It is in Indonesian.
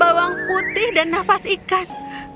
bawang putih dan nafas ikan